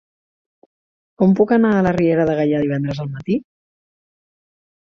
Com puc anar a la Riera de Gaià divendres al matí?